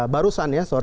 barusan ya sorry